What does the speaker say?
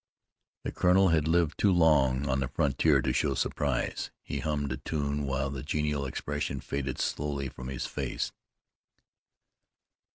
The colonel had lived too long on the frontier to show surprise; he hummed a tune while the genial expression faded slowly from his face.